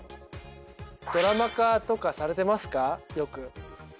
ドラマ化とかされてますか？